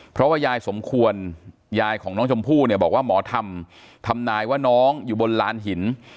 เพราะว่ายายสมควรยายของน้องชมพู่เนี่ยบอกว่าหมอทำทำนายว่าน้องอยู่บนลานหิน